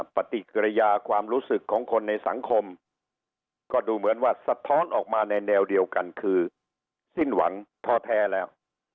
ปฏิกิริยาความรู้สึกของคนในสังคมก็ดูเหมือนว่าสะท้อนออกมาในแนวเดียวกันคือสิ้นหวังท้อแท้แล้ว